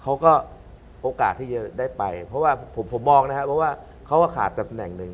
โอกาสที่จะได้ไปเพราะว่าผมมองนะครับเพราะว่าเขาก็ขาดตำแหน่งหนึ่ง